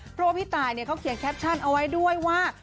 เพราะว่าพี่ตายเขาเขียนแคปชั่นเอาไว้ด้วยว่า